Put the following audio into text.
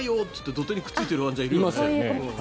土手にくっついているワンちゃん入るよね。